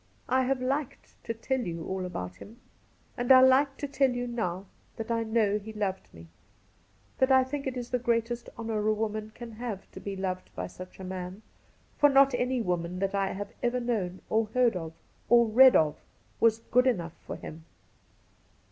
I have liked to tell you all about him ; and I like to tell you now that I know he loved me — that I think it is the greatest honour a woman can have to be loved by such a man : for not any woman that I have ever known, or heard of, or read of, was good enough for him